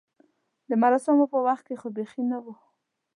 د مراسمو پر وخت کې خو بیخي نه و.